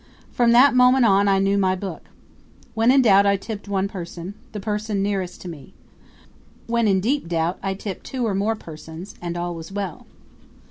From that moment on I knew my book. When in doubt I tipped one person the person nearest to me. When in deep doubt I tipped two or more persons. And all was well.